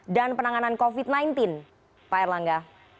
dan penanganan covid sembilan belas pak erlangga